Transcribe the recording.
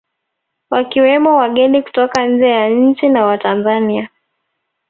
Wakiwemo wageni kutoka nje ya nchi na Watanzania